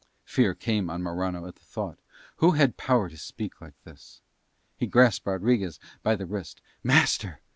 Fear came on Morano at the thought: who had power to speak like this? He grasped Rodriguez by the wrist. "Master!"